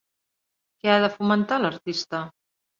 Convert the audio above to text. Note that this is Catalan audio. Què ha de fomentar l'artista?